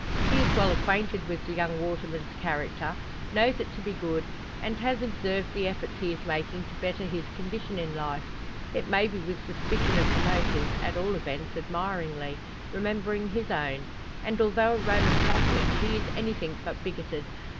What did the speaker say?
He is well acquainted with the young waterman's character, knows it to be good, and has observed the efforts he is making to better his condition in life; it may be with suspicion of the motive, at all events, admiringly remembering his own. And although a Roman Catholic, he is anything but bigoted.